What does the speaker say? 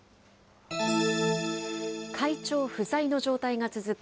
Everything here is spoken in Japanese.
会長不在の状態が続く